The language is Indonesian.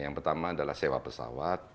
yang pertama adalah sewa pesawat